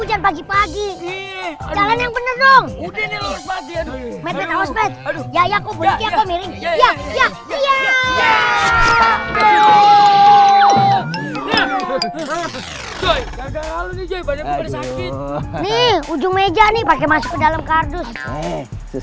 anak buah pi bukan lobo pi